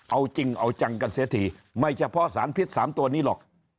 เอาจริงเอาจังกันเสียทีไม่เฉพาะสารพิษ๓ตัวนี้หรอก